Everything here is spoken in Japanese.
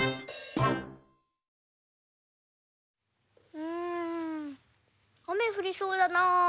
うんあめふりそうだな。